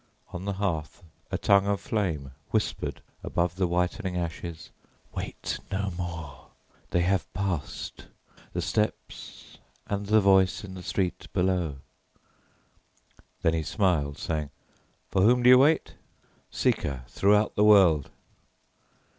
On the hearth a tongue of flame whispered above the whitening ashes: "Wait no more; they have passed, the steps and the voice in the street below." Then he smiled, saying, "For whom do you wait? Seek her throughout the world!"